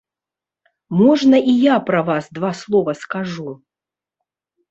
Можна і я пра вас два слова скажу?